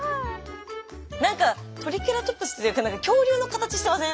何かトリケラトプスっていうか恐竜の形してません？